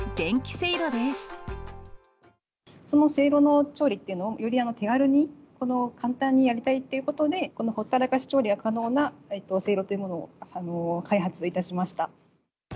せいろの調理というのをより手軽に、簡単にやりたいということで、このほったらかし調理が可能なせいろというものを開発いたしました。